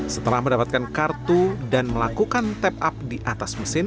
setelah mendapatkan kartu dan melakukan penyelesaian lrt jakarta fase satu dikelola oleh pt jakarta propertindo